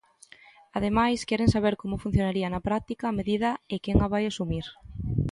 Ademais, queren saber como funcionaría na práctica a medida e quen a vai asumir.